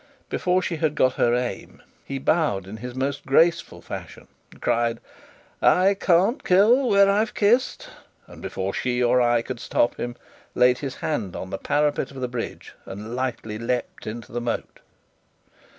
Before she had got her aim, he bowed in his most graceful fashion, cried "I can't kill where I've kissed," and before she or I could stop him, laid his hand on the parapet of the bridge, and lightly leapt into the moat.